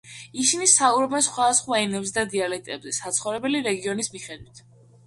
ისინი საუბრობენ სხვადასხვა ენებზე და დიალექტებზე საცხოვრებელი რეგიონის მიხდვით.